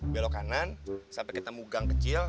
belok kanan sampai ketemu gang kecil